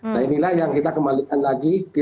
nah inilah yang kita kembalikan lagi